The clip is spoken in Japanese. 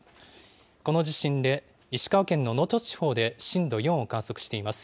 この地震で石川県の能登地方で、震度４を観測しています。